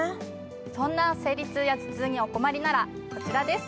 そんな生理痛や頭痛にお困りならこちらです。